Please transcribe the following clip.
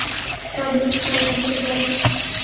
کا بزنس کامیابی سے جاری ہے